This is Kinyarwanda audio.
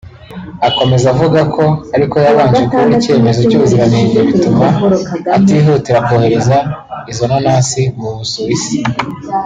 Akomeza avuga ko ariko yabanje kubura icyemezo cy’ubuziranenge bituma atihutira kohereza izo nanasi mu Busuwisi